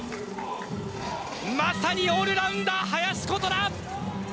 まさにオールラウンダー林琴奈。